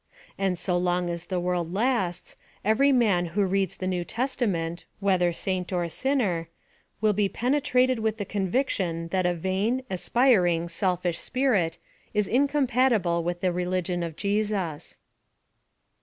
And so* long as the world lasts, every man who reads the New Testament, whether saint or sinner, will be penetratecl with the conviction that a vain, aspi ring, selfish spirit, is incompatible with the religion of Jesus.